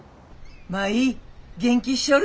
舞元気しちょる？